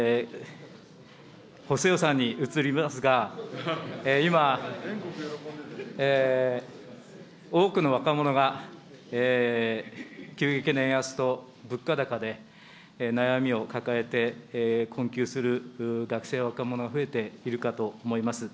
補正予算に移りますが、今、多くの若者が、急激な円安と物価高で、悩みを抱えて困窮する学生、若者が増えているかと思います。